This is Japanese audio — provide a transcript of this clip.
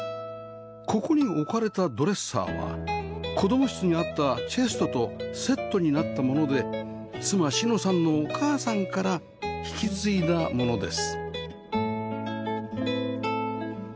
ここに置かれたドレッサーは子供室にあったチェストとセットになったもので妻之乃さんのお母さんから引き継いだものです